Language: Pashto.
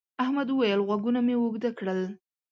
احمد وويل: غوږونه مې اوږده کړل.